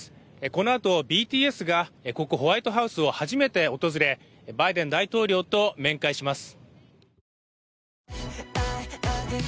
このあと、ＢＴＳがここ、ホワイトハウスを初めて訪れバイデン大統領と面会します。